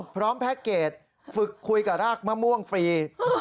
พร้อมแพ็กเกจฝึกคุยกับรากมะม่วงฟรี๓